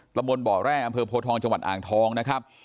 ตะบนบ่อแร่อำเภอโพทองจังหวัดอ่างทองนะครับ